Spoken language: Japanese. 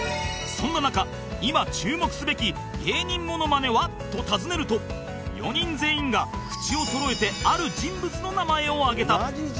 そんな中今注目すべき芸人モノマネは？と尋ねると４人全員が口をそろえてある人物の名前を挙げた